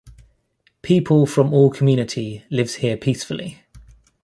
People From All Community Lives here Peacefully.